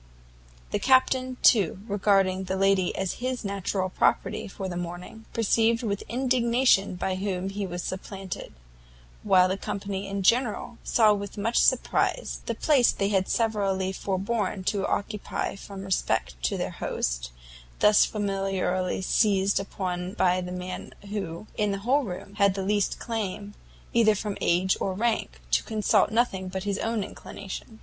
The Captain, too, regarding the lady as his natural property for the morning, perceived with indignation by whom he was supplanted; while the company in general, saw with much surprize, the place they had severally foreborne to occupy from respect to their host, thus familiarly seized upon by the man who, in the whole room, had the least claim, either from age or rank, to consult nothing but his own inclination.